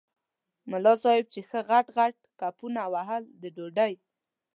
ملا صاحب چې ښه غټ غټ کپونه وهل د ډوډۍ.